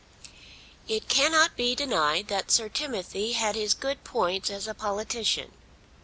It cannot be denied that Sir Timothy had his good points as a politician.